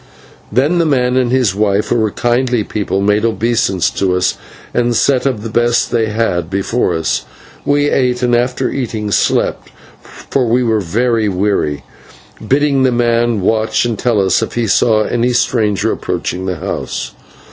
Then the man and his wife, who were kindly people, made obeisance to us, and set of the best they had before us. We ate, and, after eating, slept, for we were very weary, bidding the man watch and tell us if he saw any stranger approaching the house.